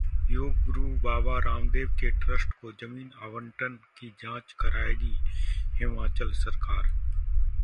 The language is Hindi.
योग गुरू बाबा रामदेव के ट्रस्ट को जमीन आवंटन की जांच कराएगी हिमाचल सरकार